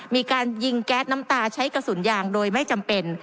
มีการยิงแก๊สน้ำตาใช้กระสุนยางโดยไม่จำเป็น